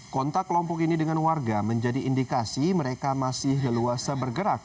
kontak kelompok ini dengan warga menjadi indikasi mereka masih leluasa bergerak